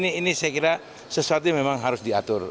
ini saya kira sesuatu yang memang harus diatur